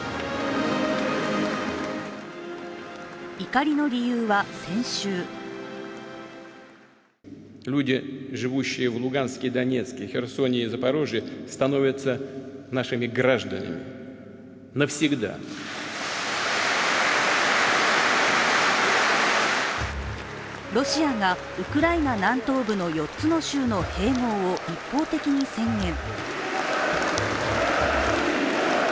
怒りの理由は、先週ロシアがウクライナ南東部の４つの州の併合を一方的に宣言。